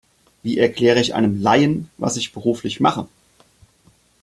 Wie erkläre ich einem Laien, was ich beruflich mache?